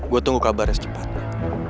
gue tunggu kabarnya secepatnya